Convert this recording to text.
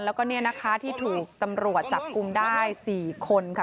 แล้วก็เนี่ยนะคะที่ถูกตำรวจจับกลุ่มได้๔คนค่ะ